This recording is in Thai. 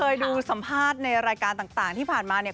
เคยดูสัมภาษณ์ในรายการต่างที่ผ่านมาเนี่ย